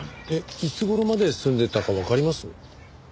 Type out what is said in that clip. いつ頃まで住んでたかわかります？